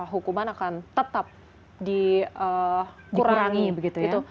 hukuman akan tetap dikurangi begitu ya